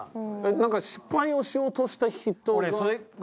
何か失敗をしようとした人が？